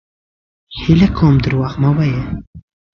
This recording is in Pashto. هيله کوم دروغ مه وايه!